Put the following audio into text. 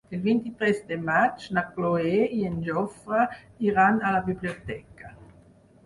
El vint-i-tres de maig na Cloè i en Jofre iran a la biblioteca.